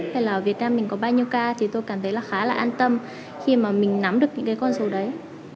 hay là việt nam mình có bao nhiêu ca thì tôi cảm thấy là khá là an tâm khi mà mình nắm được những cái con số đấy